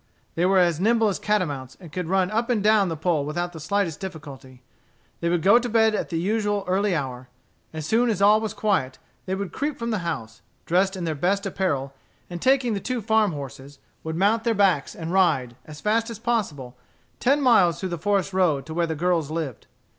They were as nimble as catamounts, and could run up and down the pole without the slightest difficulty. They would go to bed at the usual early hour. As soon as all were quiet, they would creep from the house, dressed in their best apparel, and taking the two farm horses, would mount their backs and ride, as fast as possible, ten miles through the forest road to where the girls lived.